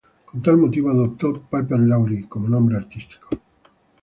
Con tal motivo adoptó "Piper Laurie" como nombre artístico.